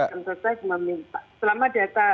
bp jam sostek meminta